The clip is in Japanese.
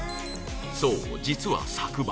そう実は昨晩